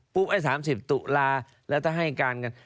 ไอ้๓๐ตุลาแล้วถ้าให้การกัน